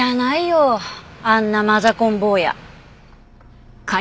あんなマザコン坊や。